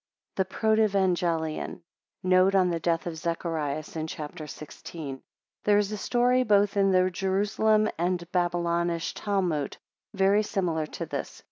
THE PROTEVANGELION. Note on the death of Zacharias in Chap. 16. There is a story both in the Jerusalem and Babylonish Talmud very similar to this.